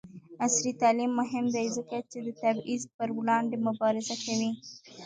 عصري تعلیم مهم دی ځکه چې د تبعیض پر وړاندې مبارزه کوي.